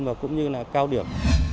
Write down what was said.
và cũng như là cao điểm